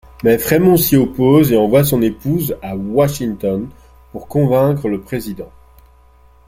Mais Frémont s'y oppose et envoie son épouse à Washington pour convaincre le président.